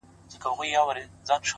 • د الف لیله و لیله د کتاب د ریچارډ,